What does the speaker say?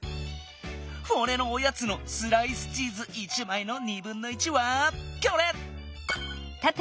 フォレのおやつのスライスチーズ１まいのはこれ！